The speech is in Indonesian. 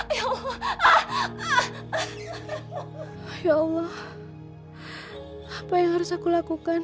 ya allah apa yang harus aku lakukan